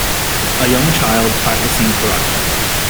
A young child practicing karate